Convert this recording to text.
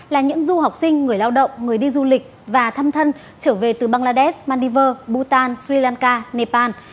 là những du học sinh người lao động người đi du lịch và thăm thân trở về từ bangladesh maldives bhutan sri lanka nepal